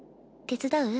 手伝う？